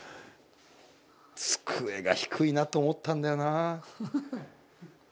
机が低いなと思ったんだよな。